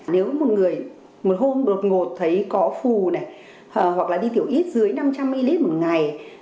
nếu một người một hôm đột ngột thấy có phù này hoặc là đi kiểu ít dưới năm trăm linh ml một ngày